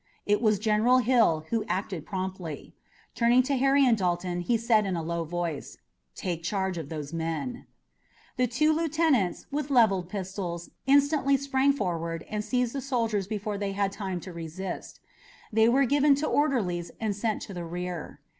It was General Hill who acted promptly. Turning to Harry and Dalton, he said in a low tone: "Take charge of those men." The two young lieutenants, with levelled pistols, instantly sprang forward and seized the soldiers before they had time to resist. They were given to orderlies and sent to the rear.